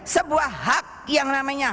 sebuah hak yang namanya